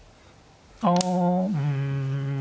あうんま